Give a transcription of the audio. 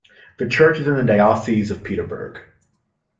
The church is in the Diocese of Peterborough.